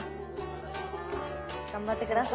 頑張って下さい。